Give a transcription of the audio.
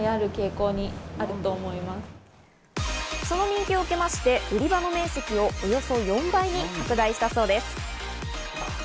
その人気を受けまして、売り場の面積をおよそ４倍に拡大したといいうことです。